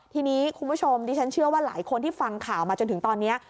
ทีนี้คุณผู้ชมดิฉันเชื่อว่าหลายคนที่ฟังข่าวมาจนถึงตอนนี้